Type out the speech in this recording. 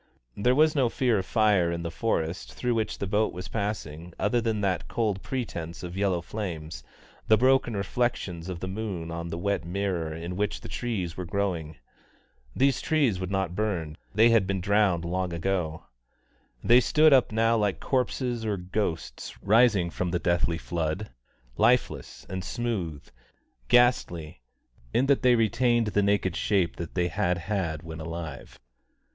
There was no fear of fire in the forest through which the boat was passing other than that cold pretence of yellow flames, the broken reflections of the moon on the wet mirror in which the trees were growing. These trees would not burn; they had been drowned long ago! They stood up now like corpses or ghosts, rising from the deathly flood, lifeless and smooth; ghastly, in that they retained the naked shape that they had had when alive.